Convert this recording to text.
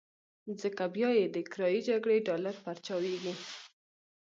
ځکه بيا یې د کرايي جګړې ډالر پارچاوېږي.